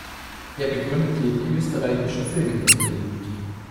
Er begründete die österreichische Filmindustrie.